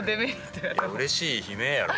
いやうれしい悲鳴やろ。